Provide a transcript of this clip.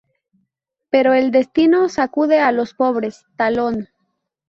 Pero el destino sacude a los pobres Talón.